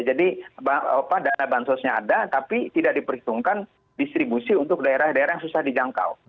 jadi pada bansosnya ada tapi tidak diperhitungkan distribusi untuk daerah daerah yang susah dijangkau